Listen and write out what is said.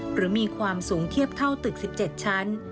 หรือมีความสูงเทียบเท่าตึก๑๗ชั้น